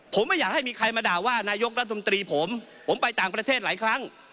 ผมไม่อยากให้มีใครมาด่าว่านายกรัฐมนตรีผมผมไปต่างประเทศหลายครั้ง